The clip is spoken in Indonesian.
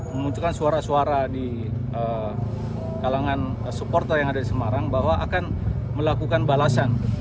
memunculkan suara suara di kalangan supporter yang ada di semarang bahwa akan melakukan balasan